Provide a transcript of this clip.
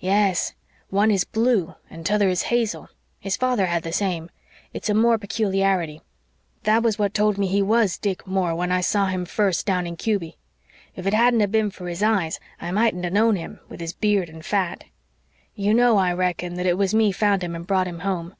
Yes, one is blue and t'other is hazel his father had the same. It's a Moore peculiarity. That was what told me he was Dick Moore when I saw him first down in Cuby. If it hadn't a bin for his eyes I mightn't a known him, with his beard and fat. You know, I reckon, that it was me found him and brought him home.